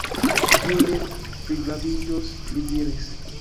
Tio ne pligraviĝos, li diris.